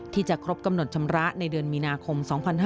ที่จะครบกำหนดชำระในเดือนมีนาคม๒๕๕๙